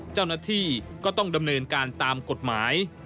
เจ้าหน้าที่ก็ต้องดำเนินการตามกฎหมาย